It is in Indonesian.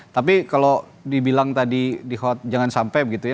tapi kalau dibilang tadi di hot jangan sampai begitu ya